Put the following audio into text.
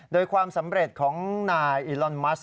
โดยความสำเร็จของนายอิลอนมัส